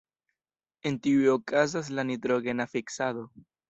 En tiuj okazas la nitrogena fiksado.